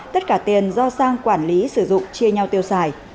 tất cả tiền do sang quản lý sử dụng chia nhau tiêu xài